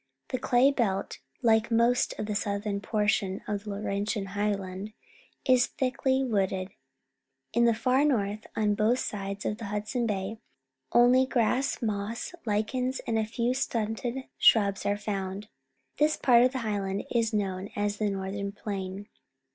The Clay Belt, like most of the southern portion of the Laurentian Highland, is thickly wooded. In the far north, on both .sides of Hudson Bay, only grass, moss, lich ens and a few stunted shrubs are found. This part of the highland is known as the Northern Plain.